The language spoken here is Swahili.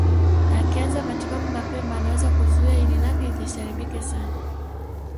Akianza matibabu mapema anaweza kuzuia ini lake lisiharibike sana